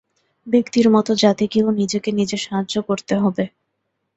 ব্যক্তির মত জাতিকেও নিজেকে নিজে সাহায্য করতে হবে।